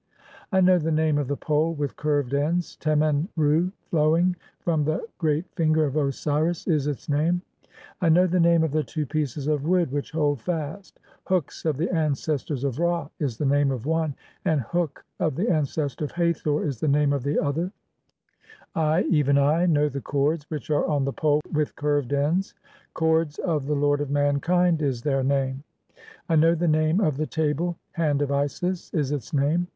"I know the name of the pole with curved ends; l Temen reu "flowing (19) from the great finger of Osiris', [is its name]. I "know the name of the two pieces of wood which hold fast : "'Hooks of the ancestors of Ra' [is the name of one], and 'Hook "of the ancestor of Hathor' [is the name of the other]. (20) I, "even I, know the cords which are on the pole with curved "ends : 'Cords (?) of the lord of mankind' [is their name]. I "know (21) the name of the table; 'Hand of Isis' [is its name].